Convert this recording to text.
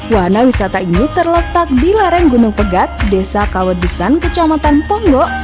wahana wisata ini terletak di lareng gunung pegat desa kawedusan kecamatan pongo